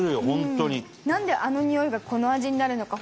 なんであのにおいがこの味になるのか